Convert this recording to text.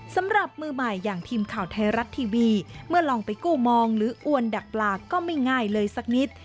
สำหรับมือใหม่อย่างทีมข่าวไทยรัฐทีวีเมื่อลองไปกู้มองหรืออวนดักปลาก็ไม่ง่ายเลยสักนิด